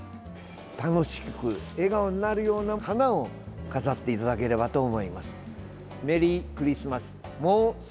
楽しく笑顔になるような花を飾っていただければと思います。